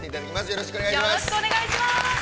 ◆よろしくお願いします。